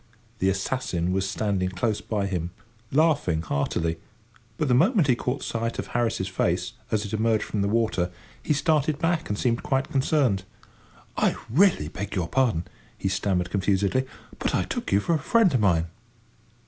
The assassin was standing close by him, laughing heartily, but the moment he caught sight of Harris's face, as it emerged from the water, he started back and seemed quite concerned. "I really beg your pardon," he stammered confusedly, "but I took you for a friend of mine!"